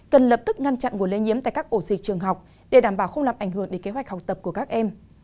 cần lập tức ngăn chặn nguồn lây nhiễm tại các ổ dịch trường học để đảm bảo không làm ảnh hưởng đến kế hoạch học tập của các em